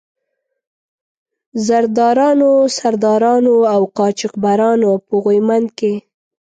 زردارانو، سردارانو او قاچاق برانو په غويمند کې.